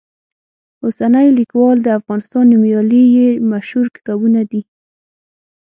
اوسنی لیکوال، د افغانستان نومیالي یې مشهور کتابونه دي.